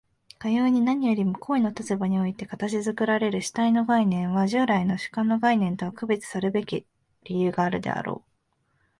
かように何よりも行為の立場において形作られる主体の概念は、従来の主観の概念とは区別さるべき理由があるであろう。